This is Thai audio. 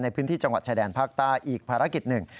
ในพื้นที่จังหวัดชายแดนภาคใต้อีกภารกิจหนึ่ง